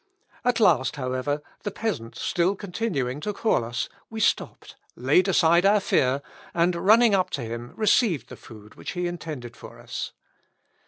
At last, however, the peasant still continuing to call us, we stopped, laid aside our fear, and, running up to him, received the food which he intended for us."